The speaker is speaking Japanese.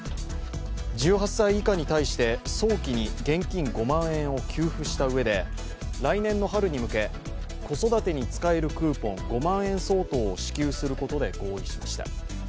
１８歳以下に対して早期に現金５万円を給付したうえで来年の春に向け、子育てに使えるクーポン５万円相当を支給することで合意しました。